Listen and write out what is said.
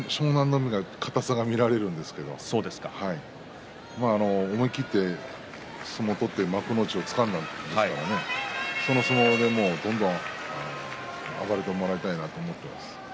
海が、硬さが見られるんですけれども思い切って相撲を取って幕内をつかんだんですからその相撲でどんどん暴れてほしいなと思っています。